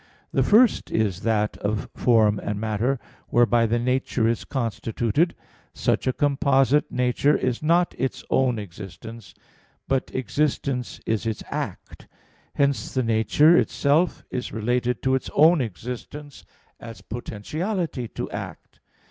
The first is that of form and matter, whereby the nature is constituted. Such a composite nature is not its own existence but existence is its act. Hence the nature itself is related to its own existence as potentiality to act.